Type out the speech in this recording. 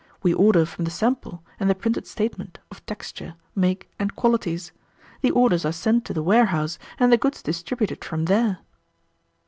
We order from the sample and the printed statement of texture, make, and qualities. The orders are sent to the warehouse, and the goods distributed from there."